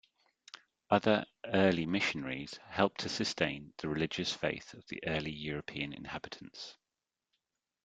Other early missionaries helped to sustain the religious faith of the early European inhabitants.